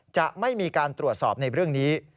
จะไม่มีการตรวจสอบในเรื่องนี้